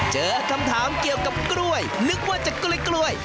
เจอคำถามเกี่ยวกับกล้วยนึกว่าจะกล้วย